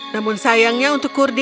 namun sayangnya untuk kurdi